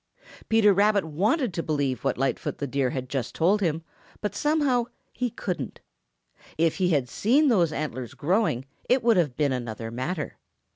Peter Rabbit wanted to believe what Lightfoot the Deer had just told him, but somehow he couldn't. If he had seen those antlers growing, it would have been another matter.